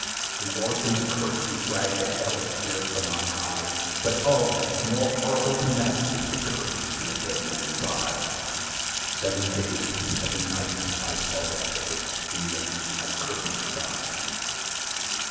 An orphan's curse would drag to Hell A spirit from on high; But oh! more horrible than that Is a curse in a dead man's eye! Seven days, seven nights, I saw that curse, And yet I could not die.